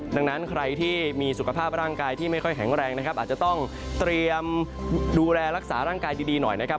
ดังนั้นใครที่มีสุขภาพร่างกายที่ไม่ค่อยแข็งแรงนะครับอาจจะต้องเตรียมดูแลรักษาร่างกายดีหน่อยนะครับ